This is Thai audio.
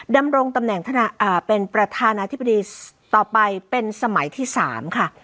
ดำรงตำแหน่งเป็นประธานาธิบดีต่อไปเป็นสมัยที่๓ค่ะ